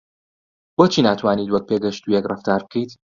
بۆچی ناتوانیت وەک پێگەیشتوویەک ڕەفتار بکەیت؟